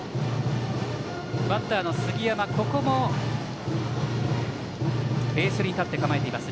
バッターの杉山ここもベース寄りに立って構えています。